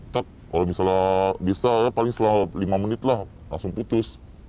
kak kalau misalnya bisa ya paling setelah lima menit lah langsung putus